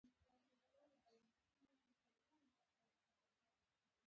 ژوندي له ژوند سره مینه لري